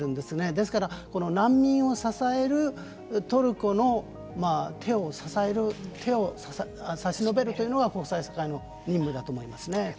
ですから、難民を支えるトルコの手を支える手を差し伸べるというのは国際社会の任務だと思いますね。